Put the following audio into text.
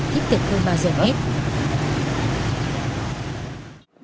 tiếp tục hơn ba giờ hết